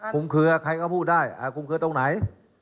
เครือใครก็พูดได้คุมเคลือตรงไหน